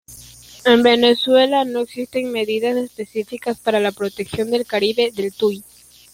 En Venezuela, no existen medidas específicas para la protección del Caribe del Tuy.